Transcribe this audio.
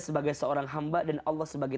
sebagai seorang hamba dan allah sebagai